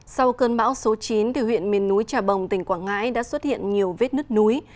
sau cơn bão số chín huyện miền núi trà bồng tỉnh quảng ngãi đã xuất hiện nhiều vết nứt núi